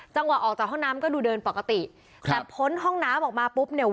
จังหวะออกจากห้องน้ำก็ดูเดินปกติแต่พ้นห้องน้ำออกมาปุ๊บเนี่ย